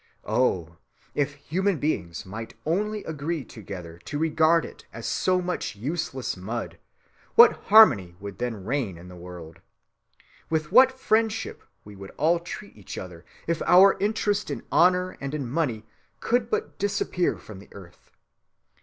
Oh! if human beings might only agree together to regard it as so much useless mud, what harmony would then reign in the world! With what friendship we would all treat each other if our interest in honor and in money could but disappear from earth!